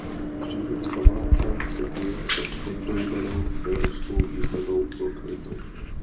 Přírodní památka se kryje se stejnojmennou evropsky významnou lokalitou.